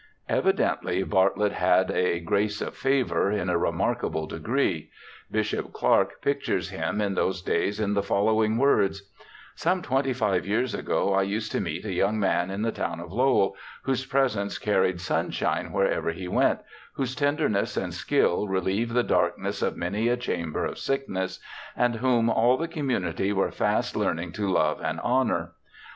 Evidently Bartlett had the ' grace of favour ' in a re markable degree. Bishop Clark pictures him in those days in the following words :' Some twenty five years ago, I used to meet a young man in the town of Lowell, whose presence carried sunshine wherever he went: whose tenderness and skill relieved the darkness of many a chamber of sickness, and whom all the community were fast learning to love and honour.